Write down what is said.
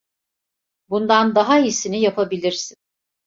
Bundan daha iyisini yapabilirsin.